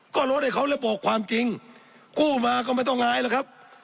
ก็ลดให้เขาแล้วบอกความจริงกู้มาก็ไม่ต้องอายแล้วครับ